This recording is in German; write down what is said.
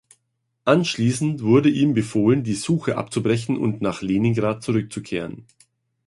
Anschließend wurde ihm befohlen, die Suche abzubrechen und nach Leningrad zurückzukehren.